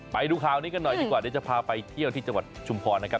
ไปดูข่าวนี้กันหน่อยดีกว่าเดี๋ยวจะพาไปเที่ยวที่จังหวัดชุมพรนะครับ